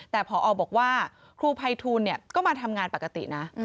แต่พอบอกว่าครูภัยทูลก็มาทำงานปกตินะ